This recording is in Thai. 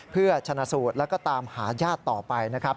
เพื่อชนะสูตรแล้วก็ตามหาญาติต่อไปนะครับ